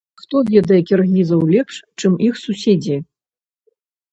Хто ведае кіргізаў лепш, чым іх суседзі.